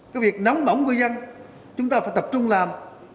cái việc nóng bỏng của dân chúng ta phải tập trung làm